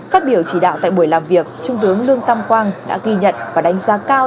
phát biểu chỉ đạo tại buổi làm việc trung tướng lương tam quang đã ghi nhận và đánh giá cao